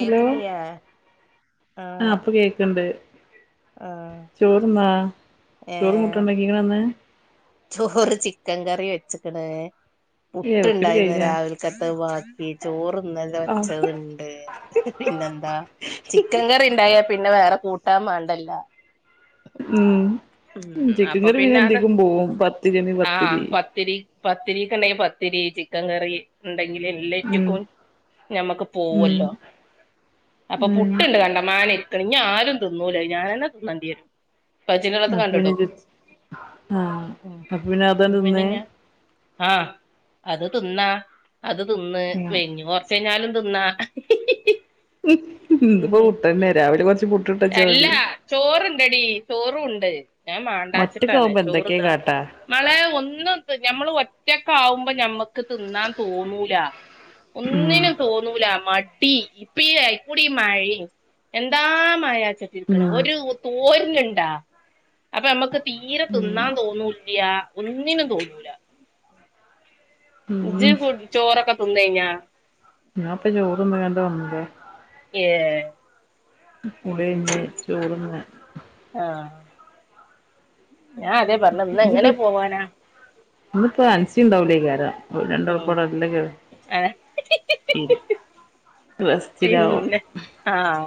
Hello ആഹ് ആപ്പ കേക്ക്ണ്ട് ആഹ് ചോറ് ന്നാ ചോറു കുട്ടാനും ഏഹ് ഇണ്ടാകീക്കണന്ന് ചോറ് ചിക്കൻ കറി വെച്ചക്കണ് ഏ വെക്കല് പുട്ടുണ്ടായിന്ന് കഴിഞ്ഞാ രാവിലക്കത്ത് വാക്കി ചോറ ഇന്നല ആ വച്ചത്ണ്ട് പിന്നെന്താ ചിക്കൻ കറിണ്ടായാ പിന്നെ വേറെ കൂട്ടാൻ മാണ്ടല്ല ഉം ഉം ചിക്കൻ അപ്പൊ കറി പിന്നെ എന്തെക്കും പോകും പത്തിരിയണ പത്തിരി ത്തിരി പത്തിരിക്ക ഉണ്ടെങ്കിൽ പത്തിരി ചിക്കൻ കറി ഉണ്ടെങ്കിലിൽ ഉം എല്ലാറ്റക്കും ഞമ്മക്ക് ഉം പോവല്ലോ അപ്പൊ ഉം പുട്ടുണ്ട് കണ്ട മനെക്ക ഇനി ആരും തിന്നൂലേ ഞാനന്നെ തിന്നേണ്ടി വരും പച്ചിനടത്ത് അപ്പൊ പിന്നെ കണ്ടിട്ടു ആ ഉം അപ്പൊ പിന്നെ അതാണ്ട് പിന്നെ തിന്ന് ഞാൻ ആഹ് അത് തിന്നാ അത് തിന്ന് ഉം [unintelligible] [unintelligible] തിന്ന ഇതിപ്പോ പുട്ടന്നാ രാവലി കൊറച്ച്ട്ട [unintelligible] അല്ലാ ചോറണ്ടടി ചോറുണ്ട് ഞാൻ മണ്ടാച്ചിട്ടാണ് ഒറ്റക്കാവുമ്പോ എന്തൊക്കെ ചോറ്താ കാട്ടാ മളെ ഒന്നും നമ്മള് ഒറ്റക്ക ആകുമ്പോ ഞമ്മക്ക് തിന്നാൻ തോന്നൂല ഉം ഒന്നിനും തോന്നൂല മടി ഇപ്പ കൂടി മഴയും എന്താ മായച്ചീക്കണ ഉം ഒരു തോരനുണ്ടാ അപ്പമ്മക്ക് തീരെ തിന്നാൻ ഉം തോന്നൂല്ല്യ ഒന്നിനും തോന്നൂല. ഇജ് ഉം ഫു ചോറൊക്കെ തിന്നെഞ്ഞാ ഞാപ്പ ചോർന്ന്കാണ്ട് വന്നതാ. ഏഹ്. കുളിയെയ്ഞ്ഞ് ചോർന്ന്. ആഹ്. ഞാൻ അതെ പറഞ്ഞ ഇന്ന് എങ്ങനെ പോവാനാ. ഇന്ന് പ്പൊ അൻസസിണ്ടാവുലേകാരം. ഓൽ ഉം രണ്ടാളുപ്പഉടെ നല്ല ഏഹ് [unintelligible] റസ്റ്റിലാവും. പിന്നെ ആഹ്.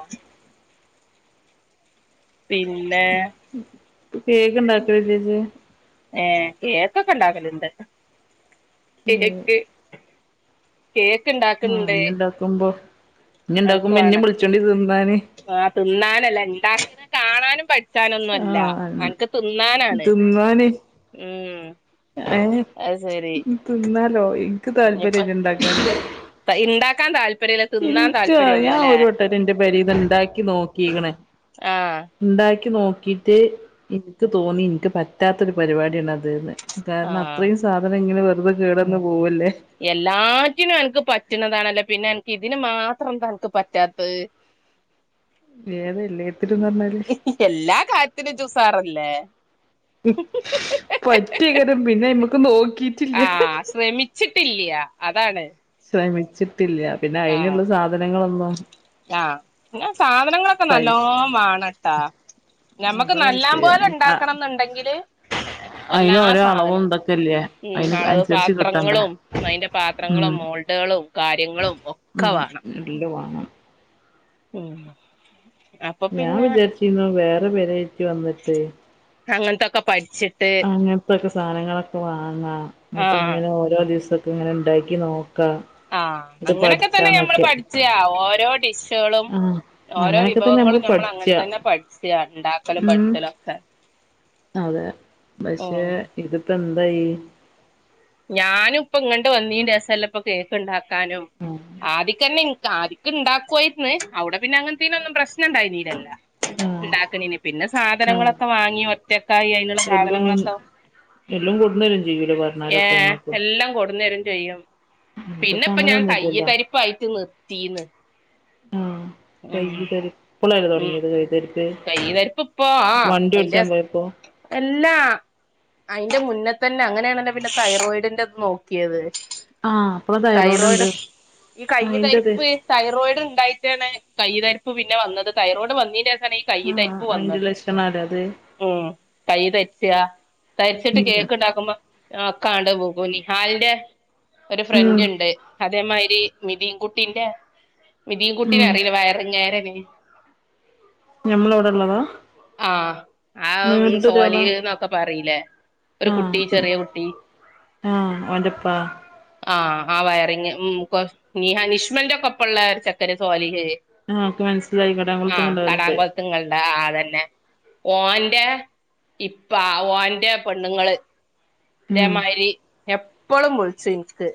പിന്നെ. കേക്ക്ണ്ടാക്കൽലേ ജ്. ഏ കേക്കൊക്കെ ഇണ്ടാക്കൽണ്ട് ഏഹ് കേക്ക്. കേക്ക് ഇണ്ടാ. ആഹ് ഇഞ്ഞ്ണ്ടാക്കുമ്പൊ അനക്ക് ഇഞ്ഞ്ണ്ടാക്കുമ്പോ ഇന്നിം വേണോ വിളിച്ചോണ്ടി തിന്നാന്. ആഹ് തിന്നാനല്ല ഇണ്ടാക്ക്ണെ കാണാനും പട്. ച്ചാനൊന്നും അല്ല ആഹ് അൻക്ക് തിന്നാനാണ് ഉം. അയ്ന് അത് ശരി തിന്നാലോ ഇക്ക് താല്പര്യല്ല ഇണ്ടാക്കാൻ. തൈ ഇണ്ടാക്കാൻ താല്പര്യല്ല. തിന്നാൻ ഇൻകോ താല്പര്യള്ളൂ ഞാ അല്ലെ ഒരു വട്ട റ്റെ എന്റെ പെരിന്ന് ഇണ്ടാക്കി നോക്കിക്ണ്. ആഹ് ഇണ്ടാക്കി നോക്കിട്ട് ഇൻക്ക് തോന്നി ഇൻക്ക് പറ്റാത്ത ഒരു പരിപാടിയാണ് അത് ന്ന്. കാര്ണം ആഹ് അത്രേം സാധനങ്ങനെ വെറുതെ കേടെന്ന് പോവല്ലേ. എല്ലാറ്റിനും അൻക്ക് പറ്റ്ണതാണല്ലൊ പിന്നെ അൻക്ക് ഇതിന് മാത്രം എന്താ അൻക്ക് പറ്റാത്ത്. [inaudible] ഏത് എല്ലേത്തിലുന്നർഞ്ഞാല്. എല്ലാ കാര്യത്തിനും ഇജുസാറല്ലേ. ഹ്‌മ് പറ്റോക്കേരം പിന്നെ ഐമക്ക് നോക്കിട്ടില്ല. അഹ് ശ്രമിച്ചിട്ടില്ല അതാണ്. ശ്രമിച്ചിട്ടില്യ പിന്നെ ആഹ് അയ്നുള്ള സാധനങ്ങളൊന്നും. ആഹ് ങ്ങൾ സാധനങ്ങളൊ. ക്ക നല്ലോ പൈസ വേണട്ടാ അമ്മക്ക് അതാ നല്ലാൻ വിഷയം പോലെ ആ ഇണ്ടാക്കണംന്ന്ണ്ടെങ്കില്. എല്ലാ അയിന് ഓരോ അളവും സാധനനും ഇതൊക്കെല്ലേ ഉം അയിന് അളവ് അനുസരിച്ച് കിട്ടണ്ടേ പാത്രങ്ങളും അയ്ന്റെ ഉം പാത്രങ്ങളും മോൾ ഡേളും കാര്യങ്ങളും ഒക്കെ ഉം വേണം. എല്ല് വാണം ഉം അ. ഞാൻ വിജാര്ച്ചിരുന്നു വേറെ പേരായിറ്റ് വന്നിട്ട്. അങ്ങൻത്തൊക്കെ പട്ച്ച്. അങ്ങൻ ത്തൊക്കെ സാനങ്ങളൊക്കെ വാങ്ങാ ആഹ് ന്ന്ട്ട്ങ്ങനെ ഓരോ ദിവസ. ങ്ങനെ ഇണ്ടാക്കി നോക്കാ. ആഹ് എന്നിട്ട് അങ്ങനൊക്കെ തന്നെ ഞമ്മൾ പഠിച്ചാന്നൊക്കെ പഠിച്ചാ ഓരോ ഡിസെ. ട്ടേളും ആ ഓരോ അങ്ങനെയൊക്കെ തന്നെ നമ്മള് വിഭവങ്ങളും നമ്മൾ പഠിച്ചാ അങ്ങൻതന്നെ പട്ച്ച ഇണ്ടാക്കലും ഉം പട്ച്ചലൊക്കെ. അതെ പക്ഷേ ഉം ഇതിപ്പൊ എന്തായി. ഞാനും ഇപ്പങ്ങട്ട് വന്നീന്റേസല്ലെ ഇപ്പൊ കേക്ക്ണ്ടാക്കാനും. ഹ്മ്. ആദ്യിക്കെന്നെ ഇൻക് ആദ്യക്ക്ണ്ടാക്കോര്ന്ന് അഉടെ പിന്നെ അങ്ങൻത്തീനൊന്നും പ്രശ്നം ഇണ്ടായിര്ന്നീലല്ലോ. ആഹ് ഇണ്ടാക്ക്ണീന് പിന്നെ ആഹ് സാധനങ്ങളൊക്കെ വാങ്ങി ഒറ്റക്കായി അയ്നുള്ള സാധനങ്ങളൊക്കെ വാ. എല്ലു കൊട്ന്നരും ചെയ്യുലെ ബ. ഏഹ് എല്ലു കൊടുന്ന്വരും ചെയ്യും. ഇതിപ്പോ പിന്നെപ്പൊ ഞാൻ കയ്യ അങ്ങനെയൊന്നുല്ലല്ലോ തര്‌പ്പായിട്ട് നിർത്തീന്ന് മ് ഉം കൈലര് ഇപ്പളല്ലേ ഉം തൊടങ്ങിയത് കയ്യ് തരിപ്പ് [unintelligible] വണ്ടി ഒടിച്ചാൻ പോയപ്പോ എല്ലാ അയിന്റെ മുന്നേ തന്നെ അങ്ങനെയാണല്ലോ പിന്നെ തൈറോയിഡിന്റെ ത് നോ ക്കിയത് ആഹ് അപ്പള തൈറോയ്ഡ് ഉണ്ട് തൈറോയിഡ് ഈ കയ്യി അയിന്റത് തരിപ്പ് തൈറോയിഡ് ണ്ടായിട്ടാണ് കൈ തരിപ്പ് പിന്നെ വന്നത് തൈറോയിഡ് വന്നീന്റെസാണ് ആഹ അയിന്റെ ലക്ഷണാലെ അത് ഉം കയ് തരിച്ചാ തരിച്ചിട്ട് ഉം കേക്ക് ഇണ്ടാക്കുമ്പോ ആ കാണ്ട് പോകോലി നിഹാലിന്റെ ഒരു ഉം ഫ്രണ്ട് ഇണ്ട് അതേമായിരി മിതിൻകുട്ടിന്റെ മിതിൻകുട്ടീനെ ഉം അറിയില്ലേ വയറങ്ങനെ നേരെ ഞമ്മള അവിടെ ഉള്ളതാ ആഹ ആ ഒരാളാ സോലിഹ് ന്നൊക്കെ പറയിലേ ഒരു കുട്ടി ചെറിയ കുട്ടി ആഹ ഓന്റെ പ്പ ആഹ ആ വയറിങ്ങ് ഉം നീ അനിഷ്മന്റെക്കെപ്പള്ള ഒരു ചെക്കന് സോലിഹ് ആ ക് മൻസ് ആഹ കടാകൊളത്തുങ്ങളുടെ ആതന്നെ ഓന്റെ ഇപ്പ ഒന്റെ പെണ്ണുങ്ങള് ഉം ഇതേമാരി എപ്പോളും വിളിച്ചും ഇൻക്ക്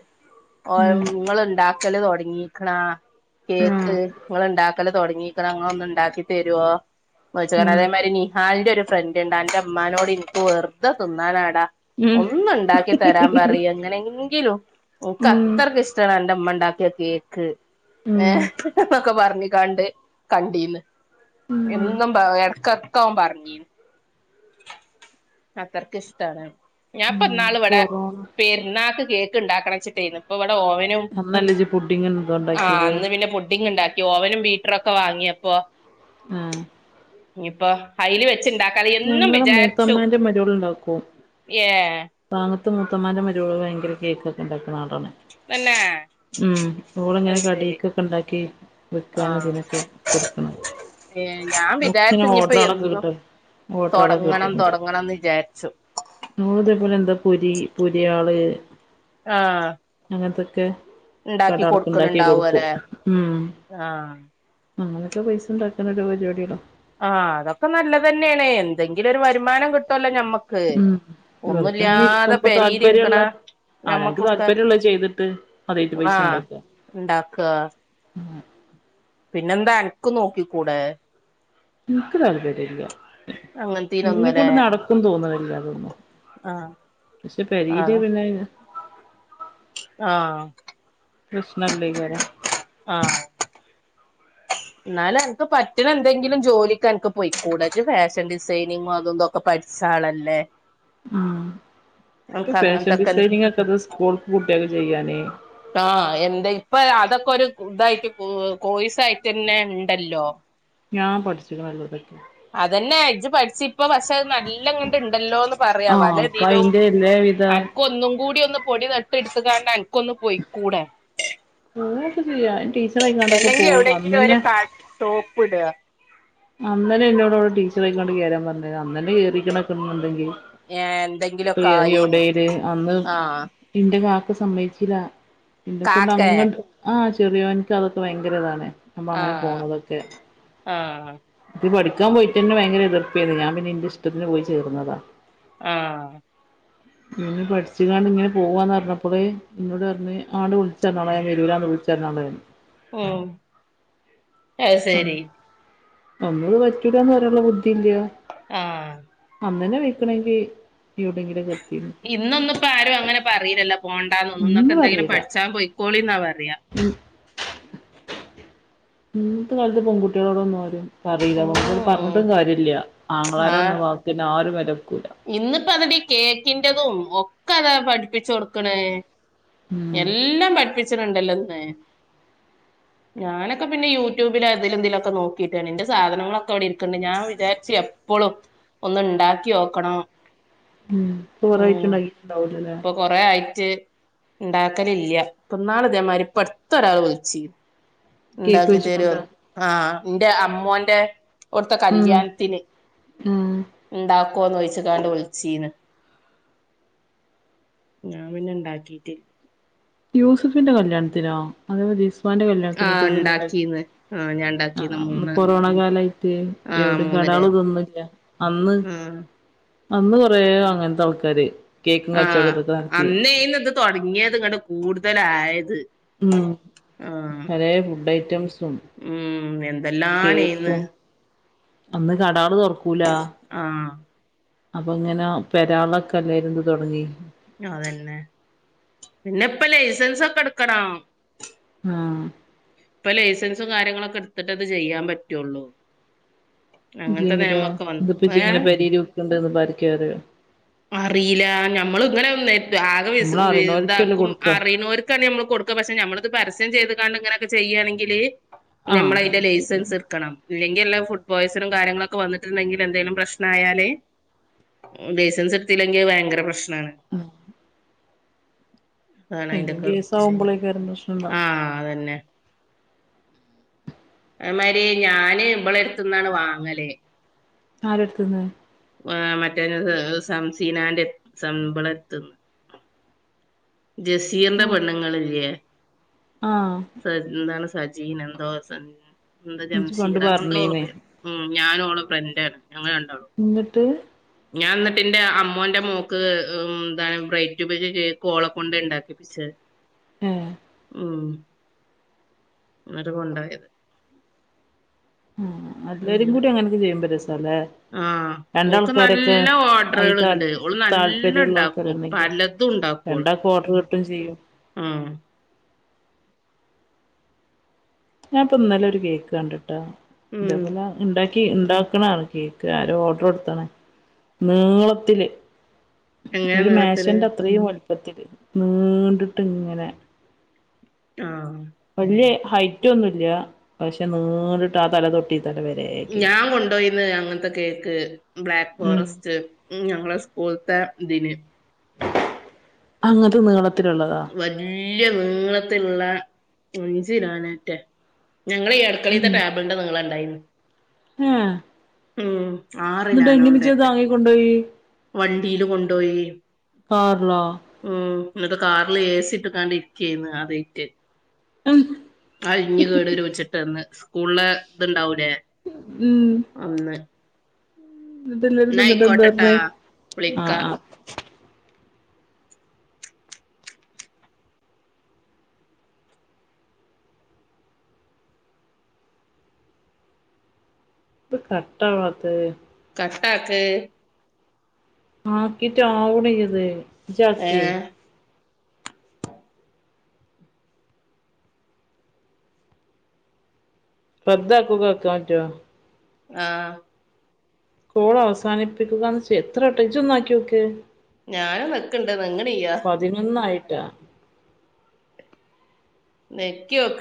ഓ ഉം ഇങ്ങൾ ണ്ട വിക്കല് തുടങ്ങിക്കണ കേക്ക് ആഹ് ഇങ്ങള് ഇണ്ടാക്കല് തൊടങ്ങി ഇങ്ങള് ഒന്ന് ഉണ്ടാക്കി തരോ [unintelligible] ഉം അതേമാതിരി നീ ഹാലിന്റെ ഒരു ഫ്രണ്ട് ഉണ്ട് അന്റെ ഇമ്മാനോട് എനിക്ക് വെറുതെ തിന്നാനാടാ ഉം ഒന്നുണ്ടാക്കി തരാൻ പറയ് എങ്ങനെങ്കിലും ഓക്ക് ഉം അത്രക്ക് ഇഷ് ത്തണ അന്റെമ്മണ്ടാക്കിയ കേക്ക് എ ഉം ന്നൊക്കെ പറഞ്ഞിക്കാണ്ട് കണ്ടീന്ന് ഉം എന്നും എടക്കടക്ക് ഓൻ പറഞ്ഞീ ക്കത്രക്ക് [unintelligible] ഉം ഞാൻപ്പന്നാള് ഇവിടെ കൊറോണ പെരുന്നാക്ക് കേക്ക് ഇണ്ടാക്കണം ച്ചിട്ടേന്നു ഇപ്പ ഇവിടെ ഓവനും അന്നല്ലേ ഇജ്ജ് പുഡിങ് എന്തോ ആഹ് ഉണ്ടാക്കിയത് അന്ന് പിന്നെ പുഡിങ് ഇണ്ടാ ഓവനും ബീറ്ററും ഒക്കെ വാങ്ങിയപ്പോ ആഹ് ഇനിപ്പോ അയില് വെച്ചണ്ടാ ഞങ്ങളെ മൂത്തമ്മേന്റെ മരോള് ഇണ്ടാക്കോ ഏഹ് പാവണ്ണത്തെ മൂത്തമ്മാന്റെ മരോള് ഭയങ്കര കേക്ക് ഒക്കെ ഇണ്ടാക്കുന്ന ആളാണ് തന്നെ ഉം അത് ഓളിങ്ങനെ ശരി കടീക്കോക്കെ ഇണ്ടാക്കി വിക്കാനുതിനൊക്കെ കൊടുക്കണം ഏ ഞാൻ ഓക്കിങ്ങനെ വിചാരിച്ച് ഞ് പ്പ ഓർഡറാളൊക്കെ എന്നും കിട്ടും ഓർഡറാളൊക്കെ തൊടങ്ങണം തൊടങ്ങണംന്ന് വിചാരിച്ചു നൂറ് രൂപേലെന്താ പൊരി പുരിയാള് ആഹ് അങ്ങനത്തൊക്കെ ഉണ്ടാക്കി കടൾക്ക് ഇണ്ടാക്കി കൊടുക്കും കൊടുക്കണുണ്ടാവുംല്ലേ ഉം ആഹ് അങ്ങനൊക്കെ പൈസ ഇണ്ടാക്കുന്ന ഓരോ പരിപാടികള ആഹ് അതൊക്കെ നല്ലതന്നെയാണ് എന്തെങ്കിലൊരു വരുമാനം കിട്ടുവല്ലോ ഞമ്മ ഉം വെറുതങ്ങനെ ഇരിക്കുമ്പോ താല്പര്യം പെരയിലിരിക്കണ ഉള്ളെ ആഹ് അൻക്ക് ഞമ്മക്കൊക്കെ താല്പര്യള്ള ചെയ്തിട്ട് അതേയ്റ്റ് പൈസ ഇണ്ടക്ക ഇണ്ടാക്കാ ആ പിന്നെന്താ അനക്ക് നോക്കിക്കൂടെ ഇൻക്ക് താല്പര്യല്ല അങ്ങനത്തീനൊന്നുംല്ലേ ഇന്നെക്കൊണ്ട് നടക്കും തോന്നണില്ല അതൊന്നും ആഹ് ക്ഷെ പെരില് അതാ പിന്നെ ആഹ് പ്രശ്ണല്ലേക്കാരം ആഹ് ന്നാലും അൻക്ക് പറ്റ്ണ എന്തെങ്കിലും ജോലിക്ക് അൻക്ക് പോയ്ക്കൂടെ ഇജ് ഫാഷൻ ഡിസൈനിങ്ങും അതും തോ ക്കെ പഠിച്ച ആളല്ലേ ഉം ഇപ്പൊ അനക്ക് ഫാഷൻ അങ്ങനത്തൊക്കെ ഡിസൈനിങ് ഒക്കെ ത് സ്കൂൾക്ക് കൂട്ടിയക്ക് ചെയ്യാനേ ആഹ് എന്താ ഇപ്പൊ അതൊക്കെ ഒരു ഇതായിട്ട് കോഴ്സ് ആയിട്ടന്നെ ഇണ്ടല്ലോ? ഞാൻ പഠിച്ചിക്ക്ണ് അതുകൊണ്ട് അതന്നെ ഇജജ് പഠിച്ച്ഇപ്പം പക്ഷെ അത് നല്ല നല്ലം ങ്ങട്ട് ഇണ്ടല്ലോ ന്ന് പറയ. ആഹ് പല അപ്പൊ ഇതിലും അയിന്റെ എല്ലാവിധ അ ക്കൊന്നും കൂടി ഒന്ന് പൊടി തട്ടി ഇട്ത്ത്ങ്ങാണ്ട് അനക്ക് ഒന്ന് പോയിക്കൂടെ? പൂവുക്കെ ചെയ്യാം. ടീച്ചറായ്ങ്ങാണ്ട് ഒക്കെ പോവാ അന്നന്നെ സോപ്പ് ഇട. അന്നേന്നെ ഇന്നോട് വിടെ ടീച്ചറയികണ്ട് കേറാൻ പറഞ്ഞത് അന്നന്നെ കേറിക്കണക്ക്ന്ന്ണ്ടെങ്കിൽ ഏഹ് എ എന്തെങ്കിലുമൊക്കെ എ ആയീന്ന് എവിടെയില് അന്ന് ആഹ് എന്റെ വാപ്പ സമ്മയ്ച്ചില്ല എന്നെ കൊണ്ട് കാക്കേ അങ്ങട്ട് ആഹ് ചെറിയോൻക്ക് അതൊക്കെ ഭയങ്കര ഇതാണ്. നമ്മ അങ്ങനെ ആഹ് പോണതൊക്കെ ആഹ് ഇത് പഠിക്കാൻ പോയിട്ടന്നെ ഭയങ്കര എതിർപ്പായ്നി ഞാൻ പിന്നെ ഇന്റെ ഇഷ്ടത്തിന് പോയി ചേർന്നതാ. ആഹ് പഠിച്ച്കാണ്ട് ഇങ്ങനെ പോവാന്ന് പറഞ്ഞപ്പോളേ ഇന്നോട് പറഞ്ഞ് ആണ്ട് വിളി ചർഞ്ഞാള ഞാൻ വരൂലാന്ന് വിളിചറിഞ്ഞാളെ ഉം അത്ശരി. അന്ന് അത് പറ്റൂല്ലാന്ന്പറയാൻ ബുദ്ധി ഇല്ല. ആഹ് അമ്മനെ വീഴ്ത്തണെങ്കി എവ്ടെങ്കിലും ഇന്നൊന്നു ഇപ്പാരും അങ്ങനെ പറയയിലല്ലോ പോണ്ടാന്നോന്നും ഒന്നും ഇന്നൊക്കെന്തേങ്കിലും പഠിച്ചാ പോയ്ക്കോളിന്നാ പറ്യാ ഉം ഇന്നത്തെ കാലത്ത് പെൺകുട്ട്യേളോടൊന്നും ആരും പറീല ഉം പറഞ്ഞ്ട്ടും കാര്യല്ല ആങ്ങളാരന്ന വാ ക്കിനാരും വെലക്കൂല ഇന്ന്പ്പം അവരീ കേക്കിന്റെതും ഒക്കെ അതാ പഠിപ്പിച്ചോട്ക്ക്ണ് ഉം എല്ലം പഠിപ്പിച്ച്ണ്ണ്ടല്ലോ ഇന്ന് ഞാനൊക്കെ പിന്നെ യൂട്യൂബിൽ അതില്തിലൊക്കെ നോക്കീട്ടെനി ഇന്റെ സാധനങ്ങളെക്കെവിടെ ഇരിക്ക്ണ്ട് ഞാൻ വിചാരിച്ച എ പ്പളും ഒന്ന് ഇണ്ടാക്ക്യോക്കണം. ഉം ഇപ്പ കൊറേയിട്ട് ഇണ്ടാക്കീട്ട്ണ്ടാവുലല്ലേ കൊറെ ആയിറ്റ് ഇണ്ടാക്കല് ഇല്ല്യ ഇപ്പന്നാള് ഇതേമാരി ഇപ്പട്ത്തൊരാള് വിളിച്ച് കേക്ക് ഇണ്ടാക്കി തെരോ വെച്ച്ങ്ങാണ്ട് ആഹ് ഇന്റെ അമ്മോന്റെ ട്ത്തെ ഉം കല്യാണത്തിന് ഉം ഇണ്ടാക്കോന്നോയിച്ച്ക്കാണ്ട് വിളിച്ചീന്ന്. ഞാൻ പിന്നെ ഇണ്ടാക്കീട്ടി യൂസ്ഫിന്റെ കല്യാണത്തിനോ അതേ ഏതാ ഓന്റെ കല്യാണത്തിനെന്റെ ആഹ് ഇജ്ജ് ഇണ്ടാ ഇണ്ടാക്കീന്ന് ആഹ് ഞാൻ ഇണ്ടാക്കീന്ന് ആഹ് മൂന്ന് കൊറോണ കാലായിട്ട് ആഹ് എവ്ടിം മൂന്നില് കടേളുതൊന്നുല്ല അന്ന് ആഹ് അന്ന് കൊറേ അങ്ങനത്തെ ആൾക്കാര് കേക്കും കച്ചവടം ആഹ് ഇതൊക്കെ നടത്തീന് അന്നേന്നു ഇത് തൊടങ്ങ്യത് ഇങ്ങെട്ട് കൂടുതലായത്. ഉം ആഹ് പലേ ഫുഡ് ഐറ്റംസും ഉം എന്തെല്ലാണേന്ന് കേക്കും അന്ന് കടാള് തൊറക്കൂല. ആഹ് അപ്പൊ ഇങ്ങനെ പെരാള്ലൊക്കെ എല്ലാരും ഇത് തൊടങ്ങി. അതെന്നെ പിന്നെപ്പം ലൈസൻസൊക്കെ ഇട്ക്കണം. ആഹ് ഇപ്പം ലൈസൻസും കാര്യങ്ങളൊക്കെ ഇട്ത്തിട്ടേ ഇത് ചെയ്യാ പറ്റൊള്ളൂ. ഇല്ലെങ്കിലോ വന്നു ഇത് ഇപ്പെ ഏ ഇജ്ജ്ങ്ങനെ പെരേല് വ്ക്ക്ണ്ട്ന്ന് ഇപ്പാര്ക്കെ അറ്യോ അറീലാ ഞമ്മള് ഇങ്ങനെ ഒന്നായിറ്റ് ആകെ വിസ് നമ്മള് വി അറിണോൽക്കല്ലേ ഇതാക്കും കൊടുക്കാ അറിണോര് ക്കാണെ നമ്മള് കൊട്ക്ക പക്ഷെ നമ്മള്ത് പരസ്യം ചെയ്ത്ക്കാണ്ട് ഇങ്ങനെക്കെ ചെയ്യാണെങ്കില് ആഹ് ഞമ്മള് അയിന്റെ പരസ്യയ്ക്കാരം ലൈസൻസ് ഇട്ക്കണം ഇല്ലെങ്കി എല്ലാ ഫുഡ് പോയിസനും കാര്യങ്ങളൊക്കെ വന്നിട്ട്ണ്ടെങ്കില് എന്തേലും പ്രശ്നായാല് ലൈസൻസ് ഇട്ത്തില്ലെങ്കിൽ അത് ഭയങ്കര പ്രശ്നാണ് അതാണ് എന്തേം അയിന്റെക്കെ ശെരി കേസാവുമ്പളേക്കാരം പ്രശ്നണ്ടാവ ആഹ് അതെന്നെ അതേമാരി ഞാന് ഇവളെട്ത്ത്ന്നാണ് വാങ്ങല് ആരെട്ത്ത്ന്ന് ഏഹ് മറ്റേ നത് ത് സംസീനാന്റെ സം മ്പളെത്ത്ന്ന് ജസീറിന്റെ ആഹ് പെണ്ണ്ങ്ങളില്ലേ ആഹ് സ എന്താണ് സജീനാ എന്തോ സൺ എന്താ ഇജ്ജ് പണ്ട് ജംഷീറ അങ്ങനെന്തോ ഓളെ പറഞ്ഞീന്ന് പേര് ഉം ഞാനും ഓളെ ഫ്രണ്ടാണ് ഞങ്ങള് രണ്ടാളും ഇന്നട്ട് ഞാൻ ഇന്നെട്ട് ഇന്റെ അമ്മോന്റെ മോക്ക് ഉം ന്താ ബ്രൈഡ് ടു ബീന്റെ കേക്ക് ഓളെ ക്കൊണ്ട ഇണ്ടാക്കിപ്പിച്ചേ ഏഹ് ഉം ഇന്നെട്ട് കൊണ്ടോയത് ആഹ് എല്ലാരും അങ്ങനെ കൂടിം അങ്ങനൊക്കെ ചെയ്യുമ്പം രസാല്ലേ ആഹ് ഓക്ക് രണ്ടാൾക്കാരൊക്കെ നല്ല അയിന് ഓർഡറേള് താൽ ഇണ്ട്. ഓള് നല്ല താല്പര്യള്ള ഇണ്ടാക്കും ആൾക്കാര്ണ്ടെങ്കി പല തുണ്ടാ രണ്ടാക്കും ഓർഡർ കിട്ടുകയും ചെയ്യും ഉം ഞാൻ നിപ്പൊയിന്നലെ ഒരു കേക്ക് കണ്ട്ട്ടോ ഉം ഇതേപോലെ ഉണ്ടാക്കി ഉണ്ടാക്കണാണ് കേക്ക് ആരോ ഓർഡർ കൊടുത്താണ് നീളത്തില് എങ്ങനെ ഒരു നീളത്തിന് മേശന്റെ അത്രയും വലി ഒത്തിരി നീണ്ടിട്ട് ഇങ്ങനെ ആഹ് വലിയ ഹൈറ്റ് ഒന്നൊല്ല്യപക്ഷെ നീണ്ടട്ട് ആ തല തൊട്ട് തലവരെ ഞാൻ കൊണ്ടോ യിന്ന് അങ്ങനത്തെ കേക്ക് ബ്ലാക്ക് ഉം ഫോറസ്റ്റ് ഉം ഞങ്ങള സ്കൂളത്തെ ഇതിന് അങ്ങത്തെ നീളത്തിലുള്ള തോ വല്യയ നീളത്തിലുള്ള അഞ്ചികിലാണ്റ്റേ ഞങ്ങള് ഈ അടക്കളത്തെ ഉം ടോബിളിൻ്റെ നീളം ഉണ്ടായിന്നു [unintelligible] ഉം ആഹ് എന്നിട്ട് എങ്ങനെ ഇജ് ഇതാങ്ങി ക്കൊണ്ടോയി വണ്ടിയില് കൊണ്ടോയി കാറിലോ ഉം എന്നിട്ട് കാറില് ഏസി ഇട്ട് കാണ്ടിരിക്കയിരുന്ന് അതേറ്റ് ഉം ആ ഇഞ്ഞ് കേടു വെരുച്ച്ട്ടന്ന്സ്കൂളില് ഇത് ഉണ്ടാവൂലേ ഉം അന്ന് എന്നിട്ട് എല്ലാരും ന്നാ തിന്നിട്ട് എന്താ ആയിക്കോട്ടട്ടാ പറഞ്ഞേ വിളിക്ക ആഹ് ആഹ് ഇത് കട്ടവാത്ത് കട്ടാക്ക് ആക്കീട്ട് ആവണില്ലത് ഇജ്ജ് ആക്ക് ഏഹ് വെറുതെ ആകുമ്പോആക്കപറ്റുവോ ആഹ് കോള് അവസാനിപ്പിക്കുകന്ന് ഇജ്ജ് എത്ര വട്ടം ഇജ്ജ് ഒന്ന് ആക്കി യോക്ക് ഞാനും നെക്ക്ണ് നെങ്ങ് ണില്ല പതിനൊന്നായിട്ടാ നെക്കി ഓക്